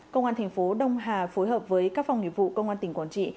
công an thành phố đông hà phối hợp với các phòng nghiệp vụ công an tỉnh quảng trị